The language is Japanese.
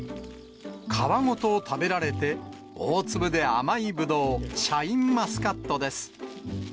皮ごと食べられて、大粒で甘いぶどう、シャインマスカットです。